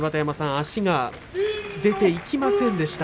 足が出ていきませんでした。